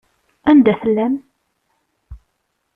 Anda i tellam?